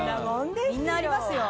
みんなありますよ。